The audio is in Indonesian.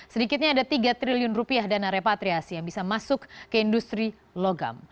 sedikitnya ada tiga triliun rupiah dana repatriasi yang bisa masuk ke industri logam